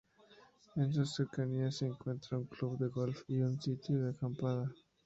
En sus cercanías se encuentra un club de golf y un sitio de acampada.